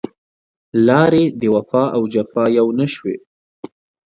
لارې د وفا او جفا يو نه شوې